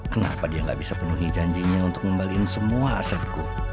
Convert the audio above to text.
kenapa dia gak bisa penuhi janjinya untuk membalikan semua asetku